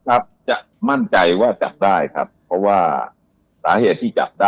ครับจะมั่นใจว่าจับได้ครับเพราะว่าสาเหตุที่จับได้